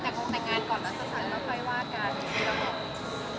แล้วจะสั่งแล้วค่อยวาดกัน